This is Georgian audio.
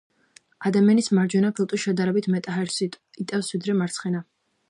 ადამიანის მარჯვენა ფილტვი შედარებით მეტ ჰაერს იტევს, ვიდრე მარცხენა